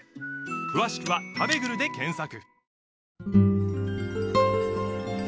詳しくは「たべぐる」で検索